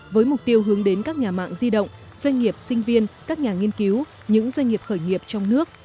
với mục tiêu hướng đến các nhà mạng di động doanh nghiệp sinh viên các nhà nghiên cứu những doanh nghiệp khởi nghiệp trong nước